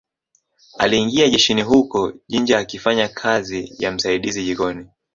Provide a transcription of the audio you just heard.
Aliingia jeshini huko Jinja akifanya kazi ya msaidizi jikoni